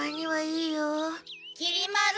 きり丸。